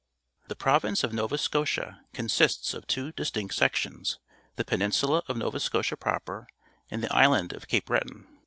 — The Prov ince of A^ova yScofia consists of two distinct sections — the peninsula of Nova Scotia prop er and the island of Cape Breton.